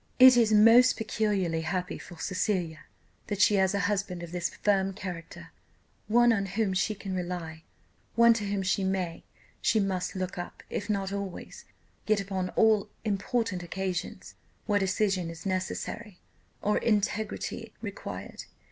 "It is most peculiarly happy for Cecilia that she has a husband of this firm character, one on whom she can rely one to whom she may, she must, look up, if not always, yet upon all important occasions where decision is necessary, or integrity required.